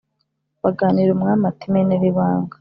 baganira umwami ati"menera ibanga